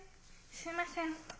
すいません。